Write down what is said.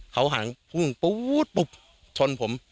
เขาหันพุ่งปุ๊บชนผม